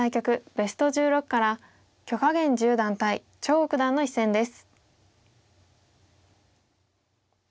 ベスト１６から許家元十段対張栩九段の一戦です。